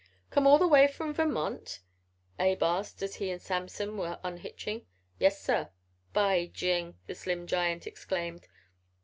"Come all the way from Vermont?" Abe asked as he and Samson were unhitching. "Yes, sir." "By jing!" the slim giant exclaimed.